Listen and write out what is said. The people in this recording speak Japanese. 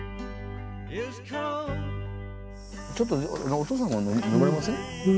ちょっとお父さんも呑まれません？